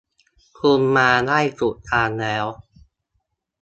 คุณมาได้ถูกทางแล้ว